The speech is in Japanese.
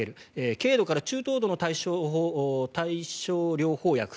軽度から中等度の対症療法薬。